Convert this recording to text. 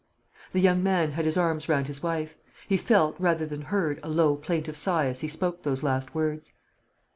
The young man had his arms round his wife. He felt, rather than heard, a low plaintive sigh as he spoke those last words.